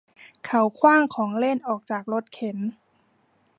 เขาขว้างของเล่นออกจากรถเข็น